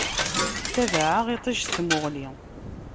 Ttabaɛeɣ iṭij s tmuɣli.